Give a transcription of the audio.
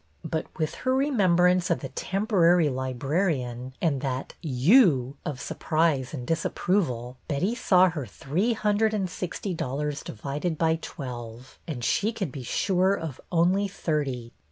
But with her remembrance of the temporary librarian," and that You! " of surprise and dis approval, Betty saw her three hundred and sixty dollars divided by twelve, and she could be sure of only thirty.